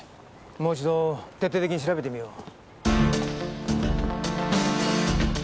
もう一度徹底的に調べてみよう。